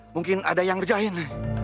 mungkin ada yang ngerjain